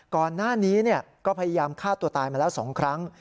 ก่อนหน้านี้ก็พยายามฆ่าตัวตายมาแล้ว๒ครั้ง